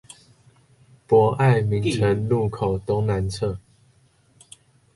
博愛明誠路口東南側